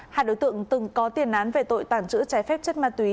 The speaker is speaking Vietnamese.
hạt đối tượng từng có tiền án về tội tàn trữ trái phép chất ma túy